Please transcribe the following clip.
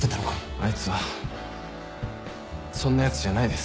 あいつはそんなやつじゃないです。